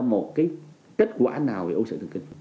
chúng tôi không tìm ra kết quả nào về ưu sự thương kinh